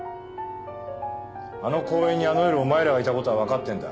あの公園にあの夜お前らがいたことはわかってんだ。